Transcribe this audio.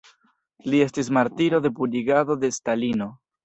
Li estis martiro de purigado de Stalino.